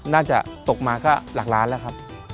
น่าจะตกมาก็หลากหลานละครับ